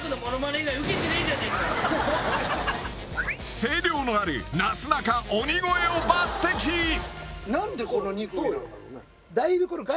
声量のあるなすなか鬼越を抜てき確かにいぶしい。